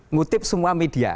ngutip semua media